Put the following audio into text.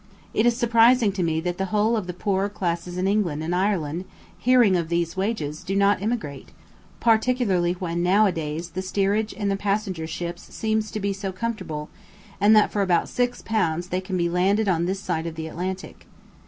It is surprising to me that the whole of the poorer classes in England and Ireland, hearing of these wages, do not emigrate, particularly when now a days the steerage in the passenger ships seems to be so comfortable, and that for about six pounds they can be landed on this side of the Atlantic.